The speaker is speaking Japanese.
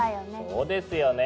そうですよね。